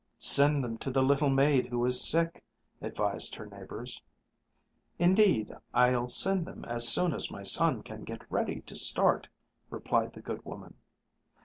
"Send them to the little maid who is sick," advised her neighbors. "Indeed I'll send them as soon as my son can get ready to start," replied the good woman.